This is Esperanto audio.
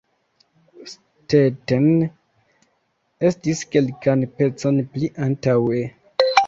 Stetten estis kelkan pecon pli antaŭe.